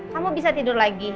kamu bisa tidur lagi